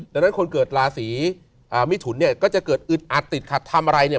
ดังนั้นคนเกิดราศีมิถุนเนี่ยก็จะเกิดอึดอัดติดขัดทำอะไรเนี่ย